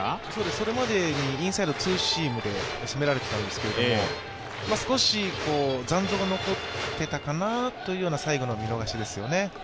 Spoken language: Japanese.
それまでにインサイド、ツーシームで攻められていたんですけれども、少し残像が残っていたかなというような最後の見逃しですよね。